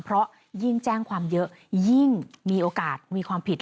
เพราะยิ่งแจ้งความเยอะยิ่งมีโอกาสมีความผิด